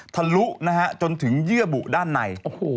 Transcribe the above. ทะลุนะฮะจนถึงเยื่อบุด้านใน